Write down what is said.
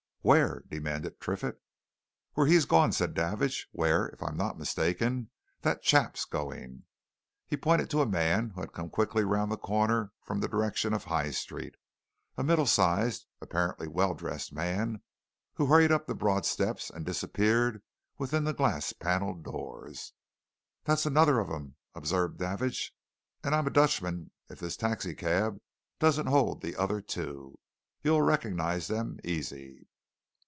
Where?" demanded Triffitt. "Where he's gone," said Davidge. "Where if I'm not mistaken that chap's going." He pointed to a man who had come quickly round the corner from the direction of the High Street, a middle sized, apparently well dressed man, who hurried up the broad steps and disappeared within the glass panelled doors. "That's another of 'em," observed Davidge. "And I'm a Dutchman if this taxi cab doesn't hold t'other two. You'll recognize them, easy."